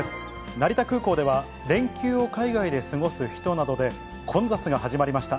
成田空港では、連休を海外で過ごす人などで混雑が始まりました。